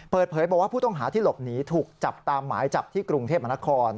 เปิดเผยบอกว่าผู้ต้องหาที่หลบหนีถูกจับตามหมายจับที่กรุงเทพมนคร